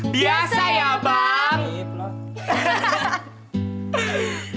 biasa ya bang